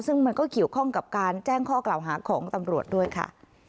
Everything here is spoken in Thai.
ซึ่งมันก็เกี่ยวข้องกับการแจ้งข้อกล่าวหาของตำรวจด้วยค่ะ